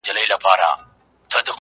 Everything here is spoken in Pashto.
چي بوډا رخصتېدی له هسپتاله.!